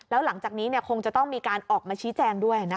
แล้วหลังจากนี้คงจะต้องมีการออกมาชี้แจงด้วยนะคะ